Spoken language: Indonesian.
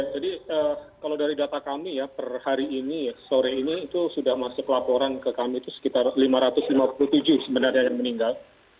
kalau dari data kami ya per hari ini sore ini itu sudah masuk laporan ke kami itu sekitar lima ratus lima puluh tujuh sebenarnya yang meninggal